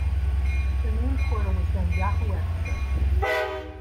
Their main portal was then Yahoo! Xtra.